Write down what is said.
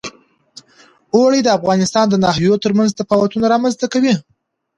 اوړي د افغانستان د ناحیو ترمنځ تفاوتونه رامنځ ته کوي.